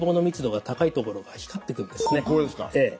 これですか？